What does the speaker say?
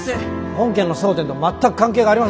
本件の争点と全く関係がありません。